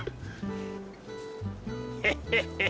ヘヘヘヘ。